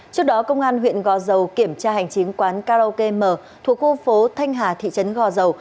trước đó công an huyện gò dầu kiểm tra hành chính quán karaoke m thuộc khu phố thanh hà thị trấn gò dầu